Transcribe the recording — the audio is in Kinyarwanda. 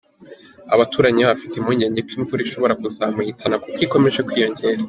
Aba baturanyi be bafite impungenge ko imvura ishobora kuzamuhitana, kuko ikomeje kwiyongera.